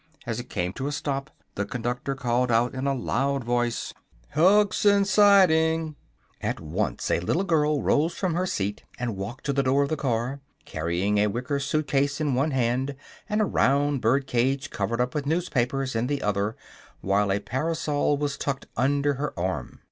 As it came to a stop the conductor called out in a loud voice: "Hugson's Siding!" At once a little girl rose from her seat and walked to the door of the car, carrying a wicker suit case in one hand and a round bird cage covered up with newspapers in the other, while a parasol was tucked under her arm.